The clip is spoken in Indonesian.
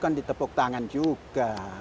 kan ditepuk tangan juga